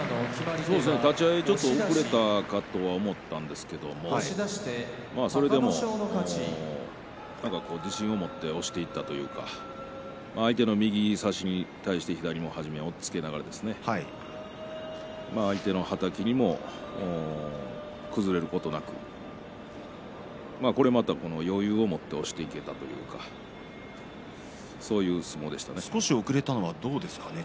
立ち合いちょっと遅れたかと思ったんですがそれでも自信を持って押していったというか相手の右差しに左押っつけながら相手のはたきにも崩れることなく崩れることなく余裕を持って押していった少し遅れたんですがどうでしたか。